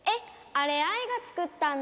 あれアイが作ったんだ。